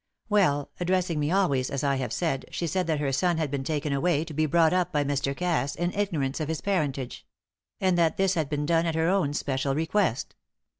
Well, addressing me always as I have said, she said that her son had been taken away to be brought up by Mr. Cass in ignorance of his parentage; and that this had been done at her own special request.